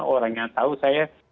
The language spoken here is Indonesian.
orang yang tahu saya